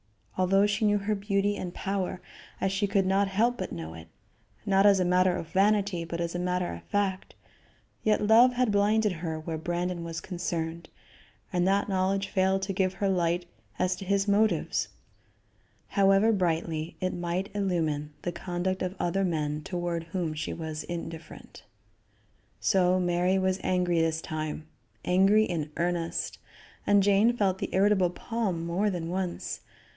Although she knew her beauty and power, as she could not help but know it not as a matter of vanity, but as a matter of fact yet love had blinded her where Brandon was concerned, and that knowledge failed to give her light as to his motives, however brightly it might illumine the conduct of other men toward whom she was indifferent. So Mary was angry this time; angry in earnest, and Jane felt the irritable palm more than once.